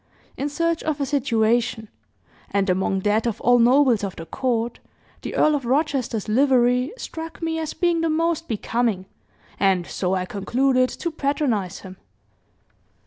in search of a situation; and among that of all nobles of the court, the Earl of Rochester's livery struck me as being the most becoming, and so I concluded to patronize him."